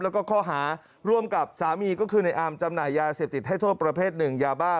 แล้วก็ข้อหาร่วมกับสามีก็คือในอาร์มจำหน่ายยาเสพติดให้โทษประเภทหนึ่งยาบ้า